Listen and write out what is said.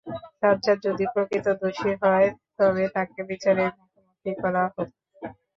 সাজ্জাদ যদি প্রকৃত দোষী হয়, তবে তাঁকে বিচারের মুখোমুখি করা হোক।